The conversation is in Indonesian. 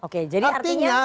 oke jadi artinya